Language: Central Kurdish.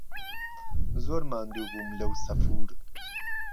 زۆر ماندوو بوم لهو سهفور